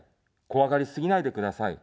怖がりすぎないでください。